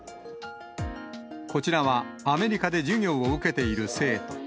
こちらは、アメリカで授業を受けている生徒。